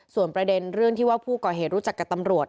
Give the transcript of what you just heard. ส่วนประเด็นเรื่องที่ว่าผู้ก่อเหตุรู้จักกับตำรวจ